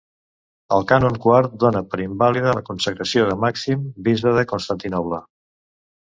El cànon quart dóna per invàlida la consagració de Màxim, bisbe de Constantinoble.